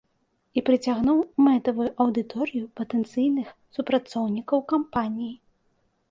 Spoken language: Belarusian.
І прыцягнуў мэтавую аўдыторыю патэнцыйных супрацоўнікаў кампаніі.